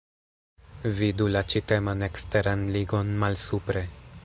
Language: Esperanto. Vidu la ĉi-teman eksteran ligon malsupre.